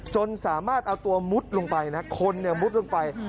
จนสามารถเอาตัวมุดลงไปนะคนเนี่ยมุดลงไป